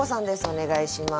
お願いします。